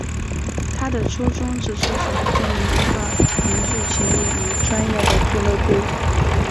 他的初衷只是想建立一个凝聚情谊与专业的俱乐部。